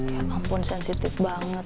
ya ampun sensitif banget